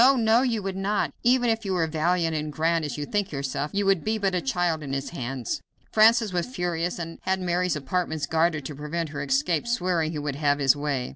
no! you would not; even were you as valiant and grand as you think yourself, you would be but a child in his hands." Francis was furious, and had Mary's apartments guarded to prevent her escape, swearing he would have his way.